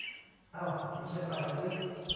เอ้า อยู่เชียงใหม่รึ